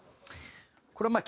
これはまあ